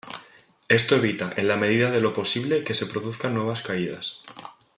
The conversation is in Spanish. Esto evita, en la medida de lo posible, que se produzcan nuevas caídas.